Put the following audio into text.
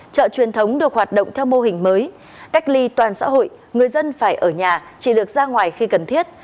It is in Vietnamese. chợ truyền thống được hoạt động theo mô hình mới cách ly toàn xã hội người dân phải ở nhà chỉ được ra ngoài khi cần thiết